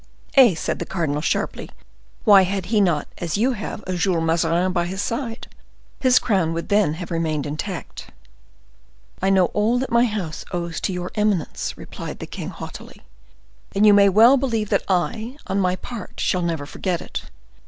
"Eh!" said the cardinal, sharply; "why had he not, as you have, a Jules Mazarin by his side? His crown would then have remained intact." "I know all that my house owes to your eminence," replied the king, haughtily, "and you may well believe that I, on my part, shall never forget it.